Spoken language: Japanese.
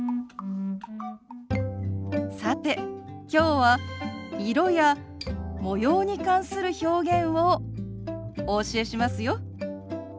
さてきょうは色や模様に関する表現をお教えしますよ。